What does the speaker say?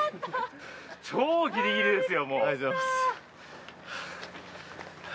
超ギリギリですよ。